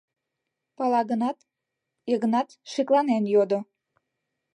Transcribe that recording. — Пала гынат, Йыгнат шекланен йодо.